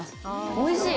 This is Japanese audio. おいしい！